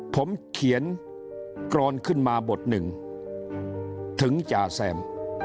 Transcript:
ผมเขียนกรอนขึ้นมาบทหนึ่งถึงจ่าแซม